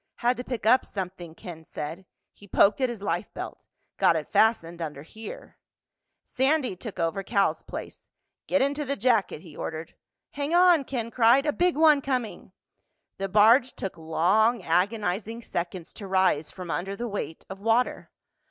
"Had to pick up something," Ken said. He poked at his life belt. "Got it fastened under here." Sandy took over Cal's place. "Get into the jacket," he ordered. "Hang on!" Ken cried. "A big one coming!" The barge took long, agonizing seconds to rise from under the weight of water.